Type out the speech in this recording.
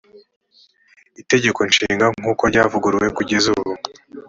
itegeko nshinga nk’uko ryavuguruwe kugeza ubu